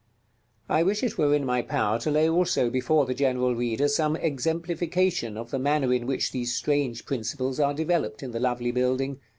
I wish it were in my power to lay also before the general reader some exemplification of the manner in which these strange principles are developed in the lovely building.